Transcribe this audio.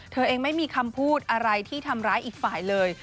เธอเองไม่มีคำพูดอะไรที่ทำร้ายอีกฝ่ายเลย